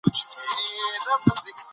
اداري عمل باید له عرف سره ټکر ونه لري.